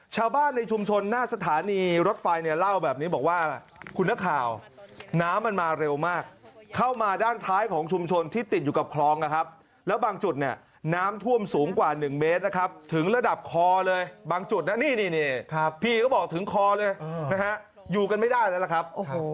ชาวบ้านในชุมชนหน้าสถานีรถไฟเนี่ยเล่าแบบนี้บอกว่าคุณนักข่าวน้ำมันมาเร็วมากเข้ามาด้านท้ายของชุมชนที่ติดอยู่กับคลองนะครับแล้วบางจุดเนี่ยน้ำท่วมสูงกว่า๑เมตรนะครับถึงระดับคอเลยบางจุดนะนี่พี่เขาบอกถึงคอเลยนะฮะอยู่กันไม่ได้แล้วล่ะครับ